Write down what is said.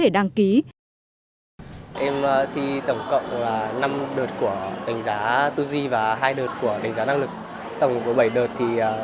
đăng ký từ hai đến ba đợt